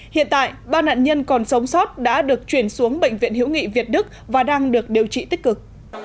hiện tại ba nạn nhân còn sống sót đã được chuyển xuống bệnh viện hiễu nghị việt đức và đang được điều trị tích cực